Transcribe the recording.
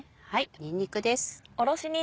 にんにくです。